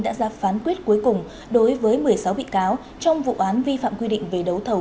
đã ra phán quyết cuối cùng đối với một mươi sáu bị cáo trong vụ án vi phạm quy định về đấu thầu